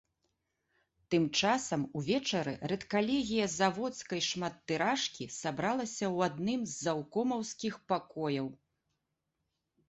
Тым часам увечары рэдкалегія заводскай шматтыражкі сабралася ў адным з заўкомаўскіх пакояў.